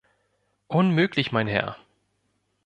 Unmöglich, mein Herr!